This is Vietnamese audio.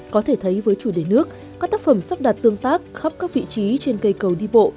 có thể thấy với chủ đề nước các tác phẩm sắp đặt tương tác khắp các vị trí trên cây cầu đi bộ